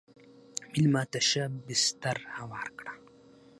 مېلمه ته ښه بستر هوار کړه.